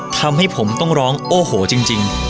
ทำให้ผมต้องร้องโอ้โหจริง